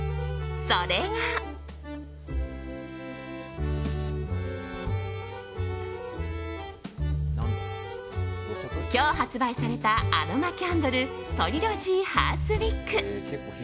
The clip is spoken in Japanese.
それが、今日発売されたアロマキャンドルトリロジーハースウィック。